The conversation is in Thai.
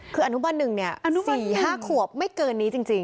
คืออนุบันหนึ่งเนี่ยอายุ๔๕ขวบไม่เกินนี้จริง